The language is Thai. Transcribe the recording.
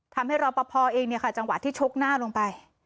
ทำให้รอบพอเองเนี่ยค่ะจังหวะที่ชกหน้าลงไป